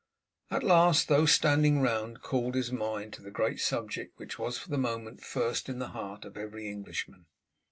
At last those standing round called his mind to the great subject which was for the moment first in the heart of every Englishman.